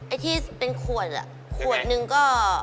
ไอ้ที่เป็นขวดขวดนึงก็